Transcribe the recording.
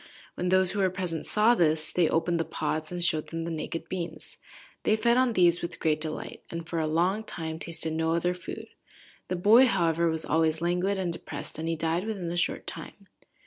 When those who were present saw this, they opened the pods, and showed them the naked beans. They fed on these with great delight, and for a long time tasted no other food. The boy, however, was always languid and depressed, and he died within a short time.